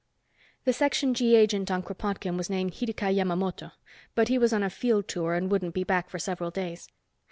The Section G agent on Kropotkin was named Hideka Yamamoto, but he was on a field tour and wouldn't be back for several days.